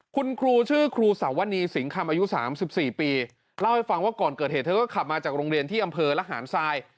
คุณครูชื่อครูสาวนีสิงคำอายุ๓๔ปีเล่าให้ฟังว่าก่อนเกิดเหตุเธอก็ขับมาจากโรงเรียนที่อำเภอระหารทราย